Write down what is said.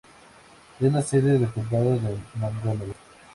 Es la sede del Condado de Montgomery.